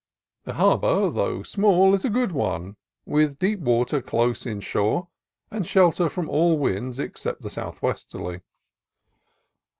The har bor, though small, is a good one, with deep water close inshore and shelter from all winds except the southwesterly.